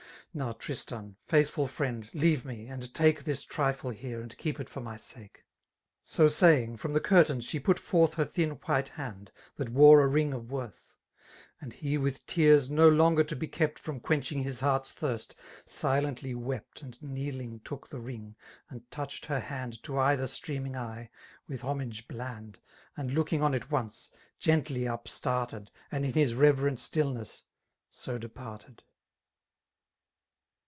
' x '' Now;TirlsteiH«^BdtyiQfnend ^4eanrem^ '^ lUi trifle here, and keep it for my sake." So 8»y!ng, from the curtains she put forth Her thin white hand, that wore a ring of worth} And h6> wl^ teal's no longer to he kept From qnenehii^ hi^ heart's tlunt^ sOendy wept. And kneeling took the rii^, and touched her haitd To either streaming eye, with homi^ hland, And looking on it once, gently up started, And, in his reiverent stUlaess, so departed.